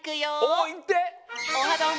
おっいって！